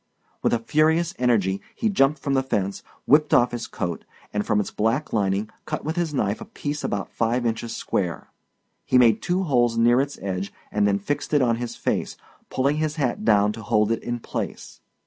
With a furious energy he jumped from the fence, whipped off his coat, and from its black lining cut with his knife a piece about five inches square. He made two holes near its edge and then fixed it on his face, pulling his hat down to hold it in place.